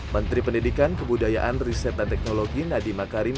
menteri pendidikan kebudayaan riset dan teknologi nadima karim